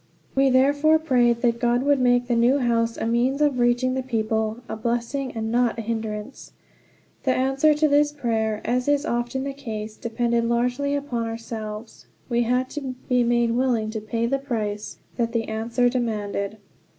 We therefore prayed that God would make the new house a means of reaching the people a blessing, and not a hindrance. The answer to this prayer, as is often the case, depended largely upon ourselves. We had to be made willing to pay the price that the answer demanded.